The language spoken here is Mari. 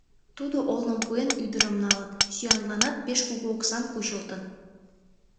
Тудо, олным пуэн, ӱдырым налын, сӱанланат пеш кугу оксам кучылтын.